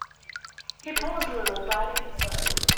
He paused a little, biting his lip.